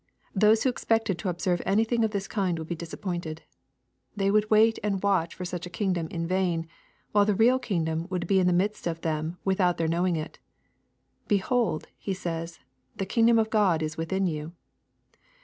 Those who expected to observe anything of this kind would be disappointed. They would wait and watch for such a kingdom in vain, while the real kingdom would be in the midst of them without their knowing it. " Behold," He says, " the kingdom of God is within you."